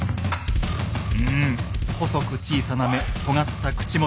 うん細く小さな目とがった口元。